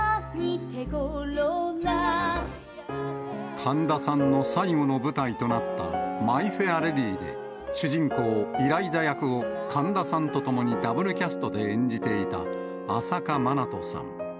神田さんの最後の舞台となったマイ・フェア・レディで、主人公、イライザ役を、神田さんと共にダブルキャストで演じていた、朝夏まなとさん。